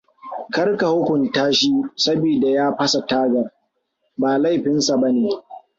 Kar ka hukunta shi sabida ya fasa tagar. Ba laifinsa bane.